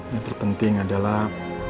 yang terpenting adalah